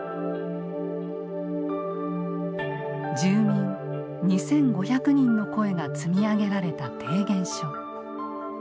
住民２，５００人の声が積み上げられた提言書。